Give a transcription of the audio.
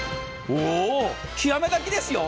極め炊きですよ。